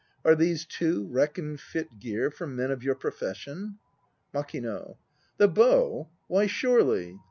Are these too reckoned fit gear for men of your profession? MAKING. The bow? Why, surely!